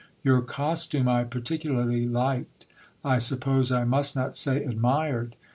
Your costume I particularly liked, I suppose I must not say, admired.